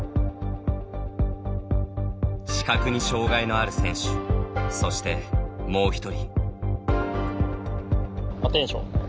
視覚に障がいのある選手そしてもう１人。